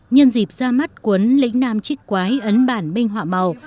nhân dịp ra mắt cuốn lĩnh nam trích quái ấn bản minh họa màu